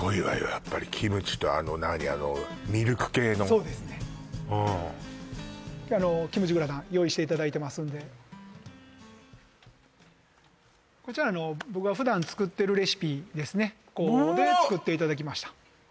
やっぱりキムチとあの何あのミルク系のそうですねキムチグラタン用意していただいてますんでこちらは僕が普段作ってるレシピですねで作っていただきましたわっ！